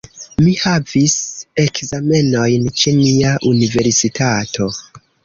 Mi havis ekzamenojn ĉe mia universitato.